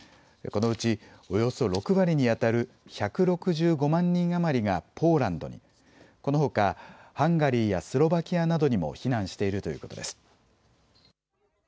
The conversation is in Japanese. このうち、およそ６割にあたる１６５万人余りがポーランドに、このほかハンガリーやスロバキアなどにも避難しているということです。